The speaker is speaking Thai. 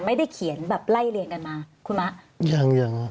ไม่ได้เขียนแบบไล่เรียนกันมาคุณมะยัง